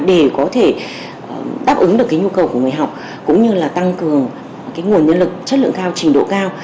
để có thể đáp ứng được cái nhu cầu của người học cũng như là tăng cường nguồn nhân lực chất lượng cao trình độ cao